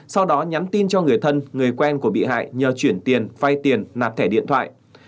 sau đó nhắn tin cho người thân người quen của bị hại nhờ chuyển tiền vay tiền nạp thẻ điện thoại